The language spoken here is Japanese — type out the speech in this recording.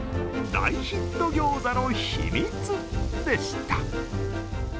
大ヒット餃子の秘密でした。